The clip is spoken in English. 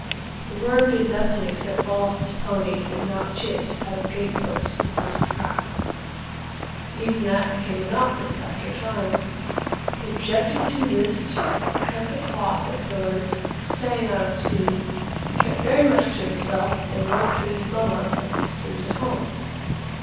The Worm did nothing except fall off his pony, and knock chips out of gate posts with his trap. Even that became monotonous after a time. He objected to whist, cut the cloth at billiards, sang out of tune, kept very much to himself, and wrote to his Mamma and sisters at Home.